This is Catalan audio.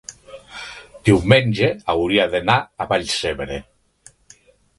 diumenge hauria d'anar a Vallcebre.